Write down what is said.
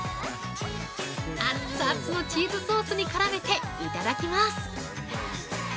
アッツアツのチーズソースに絡めていただきます。